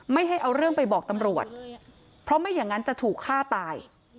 ไม่ให้เอาเรื่องไปบอกตำรวจเพราะไม่อย่างนั้นจะถูกฆ่าตาย